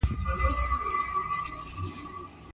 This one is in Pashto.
د غوايي د ښکر کیسه یوازي یو تعبیر دی.